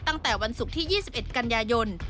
ตั้งแต่วันศุกร์ที่๒๑กันยายน